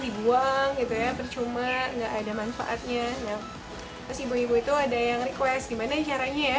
dibuang gitu ya percuma enggak ada manfaatnya nah si ibu ibu itu ada yang request gimana caranya ya